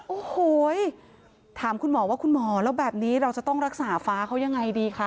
โอ้โหถามคุณหมอว่าคุณหมอแล้วแบบนี้เราจะต้องรักษาฟ้าเขายังไงดีคะ